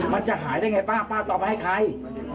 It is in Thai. มันจะหายได้ไงป้าป้าต่อไปให้ใคร